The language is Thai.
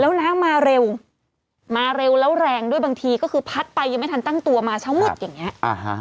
แล้วน้ำมาเร็วมาเร็วแล้วแรงด้วยบางทีก็คือพัดไปยังไม่ทันตั้งตัวมาเช้ามืดอย่างเงี้